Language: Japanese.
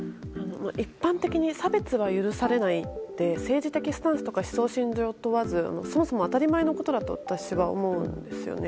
一般的に差別は許されないって政治的スタンスや思想、信条問わずそもそも当たり前のことだと私は思うんですよね。